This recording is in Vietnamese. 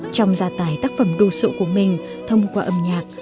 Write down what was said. trong gia tài tác phẩm đồ sộ của mình thông qua âm nhạc